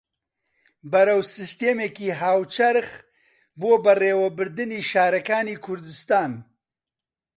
بەرەو سیستەمێکی هاوچەرخ بۆ بەڕێوەبردنی شارەکانی کوردستان